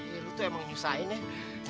lo tuh emang nyusahin ya